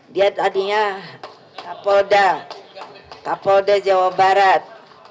dia tadinya kapolda kapolda jawa barat